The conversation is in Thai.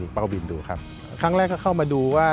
ป้ากวินดูครับครั้งแรกก็เข้ามาดูว่า